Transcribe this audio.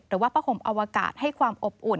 หรือว่าผ้าห่มอวกาศให้ความอบอุ่น